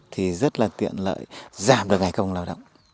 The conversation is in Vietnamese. thì rất là tiện lợi giảm được ngày công lao động